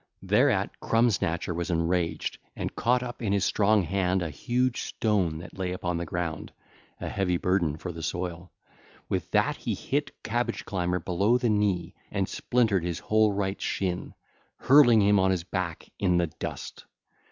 Thereat Crumb snatcher was enraged and caught up in his strong hand a huge stone that lay upon the ground, a heavy burden for the soil: with that he hit Cabbage climber below the knee and splintered his whole right shin, hurling him on his back in the dust.